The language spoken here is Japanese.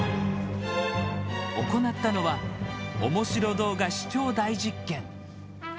行ったのはオモシロ動画視聴大実験！